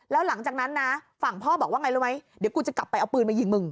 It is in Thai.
แล้วหลังจากนั้นนะฝั่งพ่อบอกว่าไงรู้ไหมเดี๋ยวกูจะกลับไปเอาปืนมายิงมึง